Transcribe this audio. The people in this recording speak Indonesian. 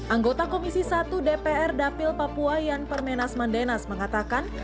anggota komisi satu dpr dapil papua yan permenas mandenas mengatakan